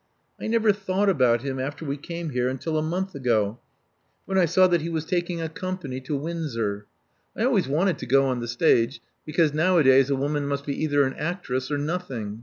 I never thought about him after we came here until a month ago, when I saw that he was taking a company to Windsor. I always wanted to go on the stage, because nowadays a woman must be either an actress or nothing.